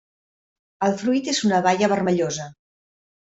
El fruit és una baia vermellosa.